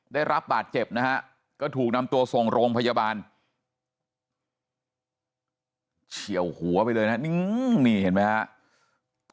ได้รับบาดเจ็บนะฮะก็ถูกนำตัวส่งโรงพยาบาลเฉียวหัวไปเลยนะฮะนี่เห็นไหมครับ